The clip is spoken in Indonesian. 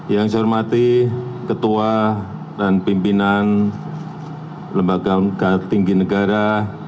yang saya hormati ketua dan pimpinan lembaga lembaga tinggi negara